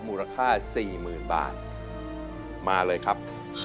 มูลค่า๔๐๐๐บาทมาเลยครับ